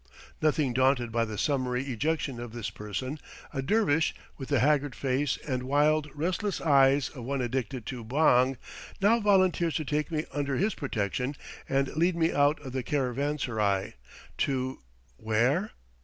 Nothing daunted by the summary ejection of this person, a dervish, with the haggard face and wild, restless eyes of one addicted to bhang, now volunteers to take me under his protection and lead me out of the caravanserai to where?